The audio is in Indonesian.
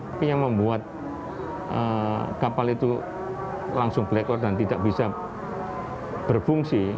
tapi yang membuat kapal itu langsung black out dan tidak bisa berfungsi